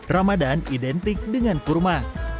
ramadhan identik dengan kurma